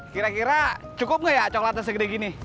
kira kira cukup nggak ya coklatnya segede gini